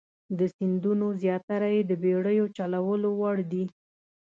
د سیندونو زیاتره یې د بیړیو چلولو وړ دي.